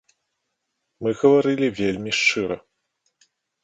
Мы гаварылі вельмі шчыра.